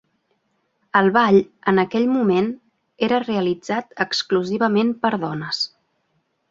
El ball, en aquell moment, era realitzat exclusivament per dones.